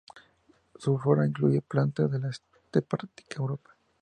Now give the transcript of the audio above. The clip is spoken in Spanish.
Su flora incluye plantas de la estepa ártica europea.